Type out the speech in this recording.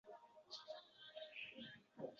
Men O'zbekistonda ilk marotaba bo'lishim.